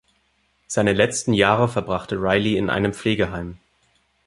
Seine letzten Jahre verbrachte Riley in einem Pflegeheim.